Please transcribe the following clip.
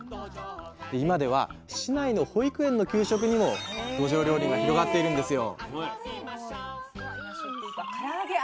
今では市内の保育園の給食にもどじょう料理が広がっているんですよ